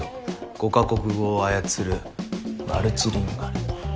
５カ国語を操るマルチリンガル。